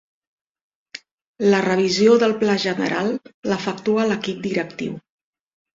La revisió del Pla general l'efectua l'equip directiu.